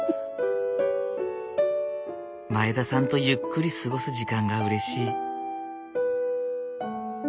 前田さんとゆっくり過ごす時間がうれしい。